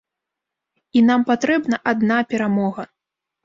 І нам патрэбна адна перамога!